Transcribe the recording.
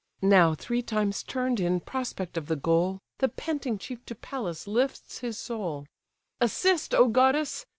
Now three times turn'd in prospect of the goal, The panting chief to Pallas lifts his soul: "Assist, O goddess!"